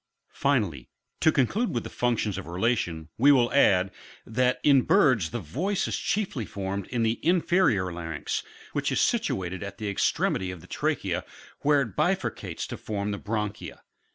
Finally, to conclude with the functions of relation, we will add, that in birds the voice is chiefly formed in the inferior larynx, which is situate at the extremity of the trachea, where it bifurcates to form the bronchia.